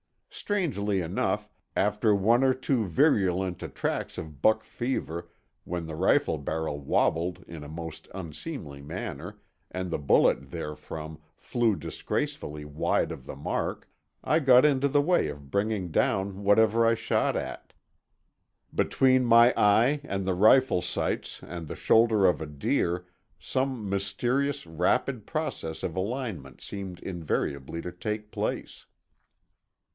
Strangely enough, after one or two virulent attacks of "buck fever," when the rifle barrel wabbled in a most unseemly manner and the bullet therefrom flew disgracefully wide of the mark, I got into the way of bringing down whatever I shot at. Between my eye and the rifle sights and the shoulder of a deer some mysterious, rapid process of alignment seemed invariably to take place.